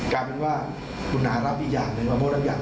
กลายเป็นว่าคุณอารับอีกอย่างหนึ่งมาพูดรับอย่าง